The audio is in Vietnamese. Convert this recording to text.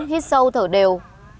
thư giãn hít sâu thở đều